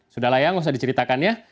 sudah lah ya nggak usah diceritakan ya